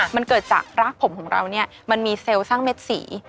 มันเกิดจากรากผมของเราเนี่ยมันมีเซลล์สร้างเม็ดสี